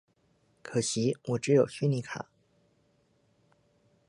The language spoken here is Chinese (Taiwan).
可惜我只有虛擬卡